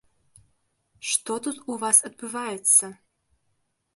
Што тут у вас адбываецца?